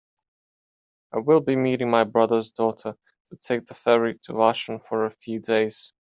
I will be meeting my brother's daughter to take the ferry to Vashon for a few days.